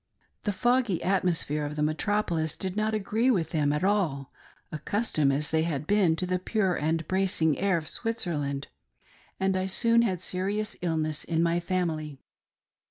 The foggy atmosphere of the metropolis did not agree with them at all — accustomed, as they had been, to the pure and bracing air of Switzerland — and I soon had serious illness in my family.